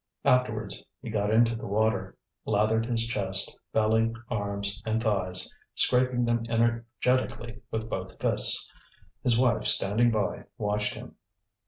Afterwards he got into the water, lathered his chest, belly, arms, and thighs, scraping them energetically with both fists. His wife, standing by, watched him.